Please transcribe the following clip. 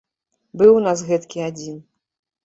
Быў у нас гэткі адзін.